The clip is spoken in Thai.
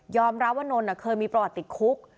รับว่านนทเคยมีประวัติติดคุก